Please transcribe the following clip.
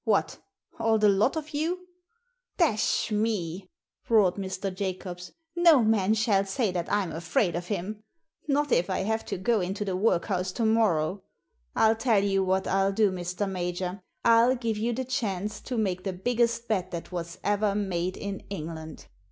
What, all the lot of you?" Dash me I " roared Mr. Jacobs. " No man shall say that I'm afraid of him — ^not if I have to go into the workhouse to morrow. I'll tell you what I'll do, Mr. Major. I'll give you the chance to make the biggest bet that was ever made in England.